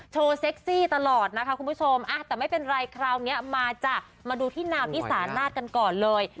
เซ็กซี่ตลอดนะคะคุณผู้ชมแต่ไม่เป็นไรคราวนี้มาจ้ะมาดูที่นาวที่สานาศกันก่อนเลย